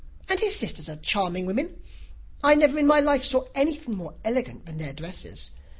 and his sisters are charming women. I never in my life saw anything more elegant than their dresses.